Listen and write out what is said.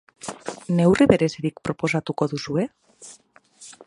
Neurri berezirik proposatuko duzue?